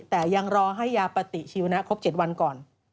แต่ยังรอให้ยาปฏิชีวนะครบ๗วันก่อน